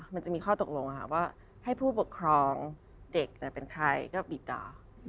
มันจะมีข้อตกลงว่าให้ผู้ปกครองเด็กแต่เป็นใครก็บีบด่า